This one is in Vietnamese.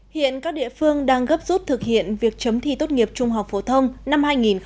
hiện các địa phương đang gấp rút thực hiện việc chấm thi tốt nghiệp trung học phổ thông năm hai nghìn hai mươi